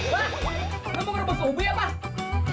wah lu mau kerobos obi ya pak